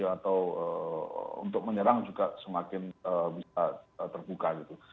atau untuk menyerang juga semakin bisa terbuka gitu